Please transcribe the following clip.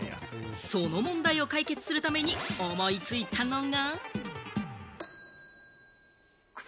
その問題を解決するために思いついたのが。